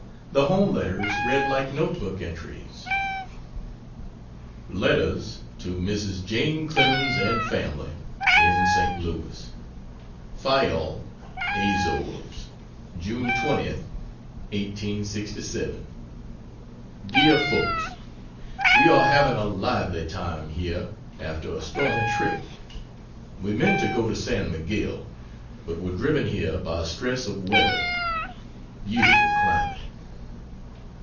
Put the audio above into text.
The home letters read like notebook entries. Letters to Mrs. Jane Clemens and family, in St. Louis: FAYAL (Azores,) June 20th, 1867. DEAR FOLKS, We are having a lively time here, after a stormy trip. We meant to go to San Miguel, but were driven here by stress of weather. Beautiful climate.